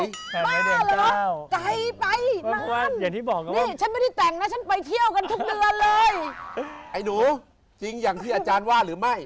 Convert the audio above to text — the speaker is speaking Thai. อย่างเฮ้ยหนูจริงอย่างที่อาจารย์ว่าหรือไม่